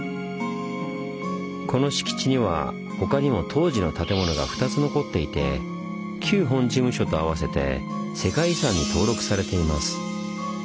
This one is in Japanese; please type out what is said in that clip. この敷地には他にも当時の建物が２つ残っていて旧本事務所と合わせて世界遺産に登録されています。